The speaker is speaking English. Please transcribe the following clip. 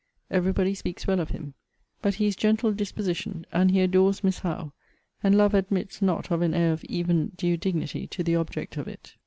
Every body speaks well of him. But he is gentle dispositioned, and he adores Miss Howe; and love admits not of an air of even due dignity to the object of it.